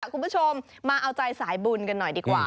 คุณผู้ชมมาเอาใจสายบุญกันหน่อยดีกว่า